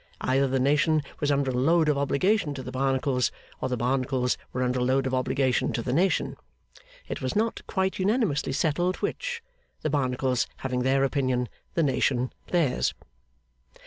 Either the nation was under a load of obligation to the Barnacles, or the Barnacles were under a load of obligation to the nation. It was not quite unanimously settled which; the Barnacles having their opinion, the nation theirs.